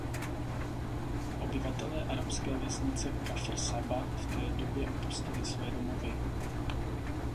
Obyvatelé arabské vesnice Kafr Saba v té době opustili své domovy.